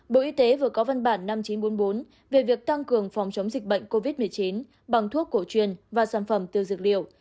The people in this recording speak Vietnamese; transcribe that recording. bộ y tế vừa có văn bản năm nghìn chín trăm bốn mươi bốn về việc tăng cường phòng chống dịch bệnh covid một mươi chín bằng thuốc cổ truyền và sản phẩm tiêu dược liệu